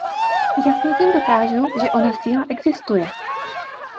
Jasně tím dokážu, že ona síla existuje.